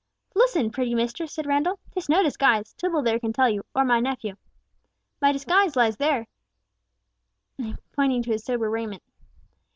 "Listen, pretty mistress," said Randall. "'Tis no disguise, Tibble there can tell you, or my nephew. My disguise lies there," pointing to his sober raiment.